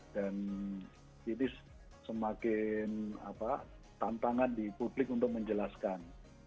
dan ini semakin tantangan di publik untuk menjelaskan